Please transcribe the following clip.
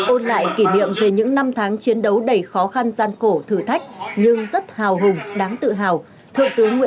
ôn lại kỷ niệm về những năm tháng chiến đấu đầy khó khăn gian khổ thử thách nhưng rất hào hùng